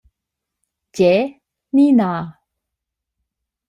Gie ni na?